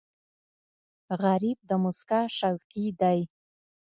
غریب د موسکا شوقي دی